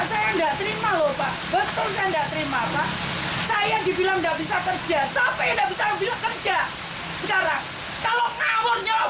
saya yang dibilang gak bisa kerja siapa yang gak bisa dibilang kerja sekarang